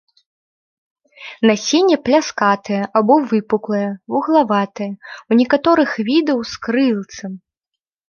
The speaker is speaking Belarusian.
Насенне пляскатае або выпуклае, вуглаватае, у некаторых відаў з крылцам.